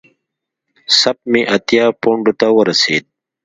سپ مې اتیا پونډو ته ورسېده.